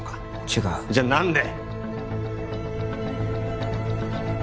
違うじゃ何で？